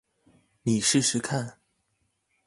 你試試看